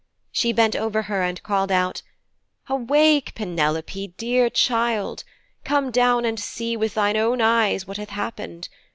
She bent over her and called out, 'Awake, Penelope, dear child. Come down and see with thine own eyes what hath happened.